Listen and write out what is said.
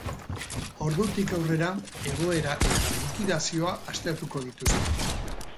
Ordutik aurrera, egoera eta likidazioa aztertuko dituzte.